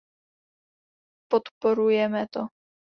Podporujeme to.